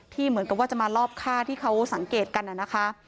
เหมือนกับว่าจะมารอบฆ่าที่เขาสังเกตกันนะคะ